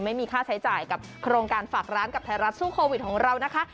ไม่มีค่าใช้จ่ายกับโครงการฝากร้านกับไทยรัฐสู้โควิดของเรานะคะ